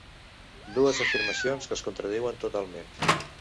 Dues afirmacions que es contradiuen totalment.